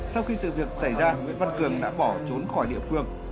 sau khi sự việc xảy ra nguyễn văn cường đã bỏ trốn khỏi địa phương